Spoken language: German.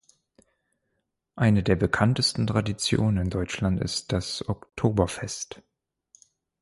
Eine der bekanntesten Traditionen in Deutschland ist das Oktoberfest.